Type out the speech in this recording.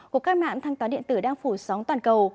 cuộc cách mạng thanh toán điện tử đang phủ sóng toàn cầu